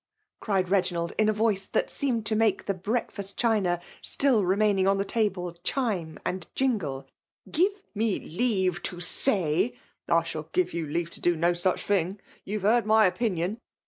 cried Reginald, in a voibe that seemed to make the breakfitst china, still re* maiiiing on the table, chime and jingle* " give me leave to say ^" ^I shall give you leave to do no sfMli filing! Ton have lieard my opinion.